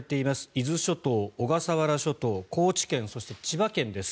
伊豆諸島、小笠原諸島高知県、そして千葉県です。